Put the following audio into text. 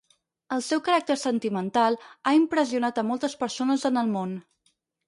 El seu caràcter sentimental ha impressionat a moltes persones en el món.